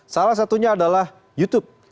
salah satunya adalah youtube